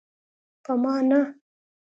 په ما نه.